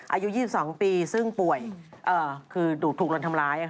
อายุ๒๒ปีซึ่งป่วยคือถูกลนทำร้าย